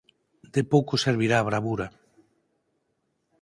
De pouco servira a bravura.